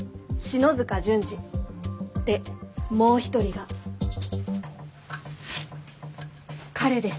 でもう一人が彼です。